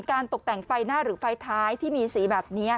ตกแต่งไฟหน้าหรือไฟท้ายที่มีสีแบบนี้